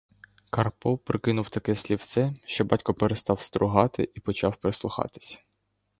Карпо прикинув таке слівце, що батько перестав стругати і почав прислухатись.